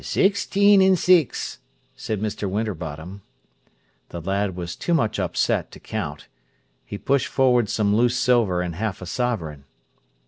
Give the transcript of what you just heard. "Sixteen an' six," said Mr. Winterbottom. The lad was too much upset to count. He pushed forward some loose silver and half a sovereign.